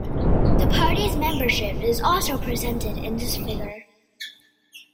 The party's membership is also presented in this figure.